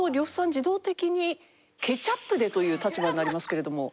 自動的にケチャップでという立場になりますけれども。